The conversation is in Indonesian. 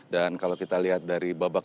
dan kalau kita lihat dari babak reguler